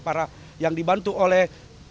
para yang dibantu oleh